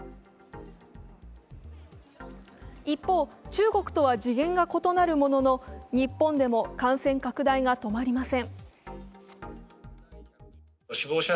一方、中国とは次元が異なるものの日本でも感染拡大が止まりません。